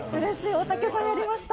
大竹さんやりました！